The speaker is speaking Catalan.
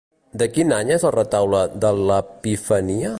De quin any és El Retaule de l'Epifania?